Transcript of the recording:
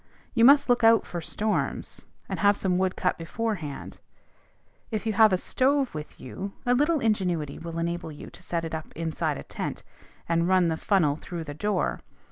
You must look out for storms, and have some wood cut beforehand. If you have a stove with you, a little ingenuity will enable you to set it up inside a tent, and run the funnel through the door.